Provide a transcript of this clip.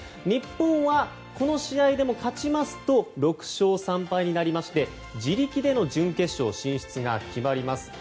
日本は、この試合でも勝ちますと６勝３敗になり自力での準決勝進出が決まります。